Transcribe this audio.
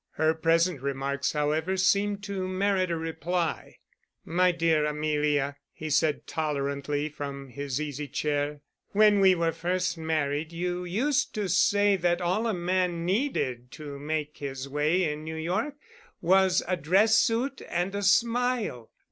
Her present remarks, however, seemed to merit a reply. "My dear Amelia," he said, tolerantly, from his easy chair, "when we were first married you used to say that all a man needed to make his way in New York was a dress suit and a smile.